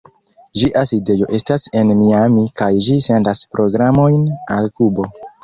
Ĝia sidejo estas en Miami kaj ĝi sendas programojn al Kubo.